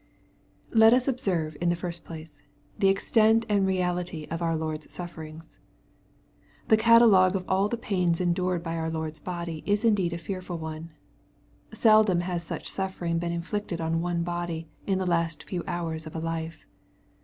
Let us observe in the first place, the extent and reality of our Lord's sufferings. The catalogue of all the pains endured by our Lord's body, is indeed a fearful one. Seldom has such suffering been inflicted on one body in the last few hours of a life.